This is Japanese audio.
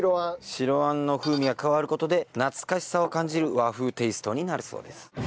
白餡の風味が加わる事で懐かしさを感じる和風テイストになるそうです。